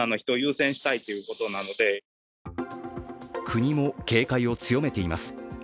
国も警戒を強めています。